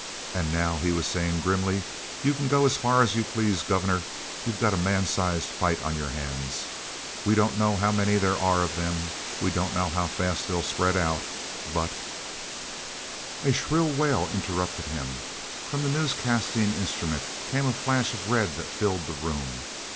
"And now," he was saying grimly, "you can go as far as you please, Governor. You've got a man's sized fight on your hands. We don't know how many there are of them. We don't know how fast they'll spread out, but—" A shrill wail interrupted him. From the newscasting instrument came a flash of red that filled the room.